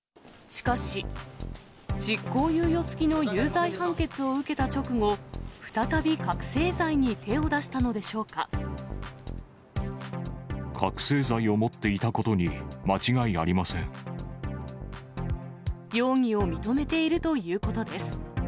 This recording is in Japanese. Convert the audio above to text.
しかし、執行猶予付きの有罪判決を受けた直後、再び覚醒剤に手を出したの覚醒剤を持っていたことに間容疑を認めているということです。